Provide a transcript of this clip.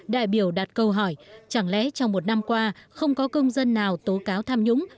đại biểu đặt câu hỏi chẳng lẽ trong một năm qua không có công dân nào tố cáo tham nhũng